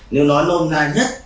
nó nôn na nhất